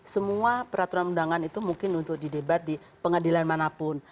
semua peraturan undangan itu mungkin untuk didebat di pengadilan manapun